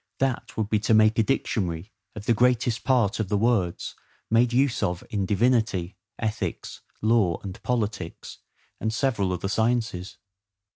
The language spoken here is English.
That would be to make a dictionary of the greatest part of the words made use of in divinity, ethics, law, and politics, and several other sciences.